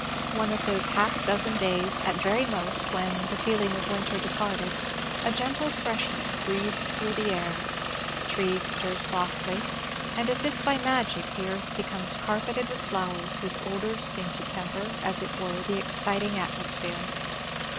one of those half dozen days, at very most, when, the feeling of winter departed, a gentle freshness breathes through the air; trees stir softly, and as if by magic; the earth becomes carpeted with flowers, whose odors seem to temper, as it were, the exciting atmosphere.